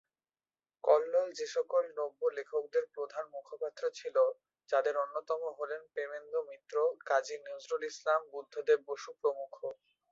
কল্লোল যেসকল নব্য-লেখকদের প্রধান মুখপাত্র ছিল, যাদের অন্যতম হলেন প্রেমেন্দ্র মিত্র, কাজী নজরুল ইসলাম, বুদ্ধদেব বসু প্রমুখ।